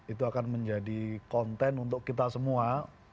itu akan menjadi konten untuk kita semua